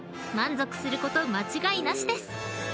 ［満足すること間違いなしです！］